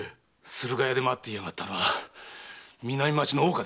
駿河屋で待っていやがったのは南町の大岡でさあ。